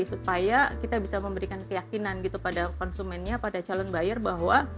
supaya kita bisa memberikan keyakinan gitu pada konsumennya pada calon buyer bahwa